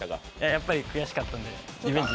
やっぱり悔しかったんで、リベンジ。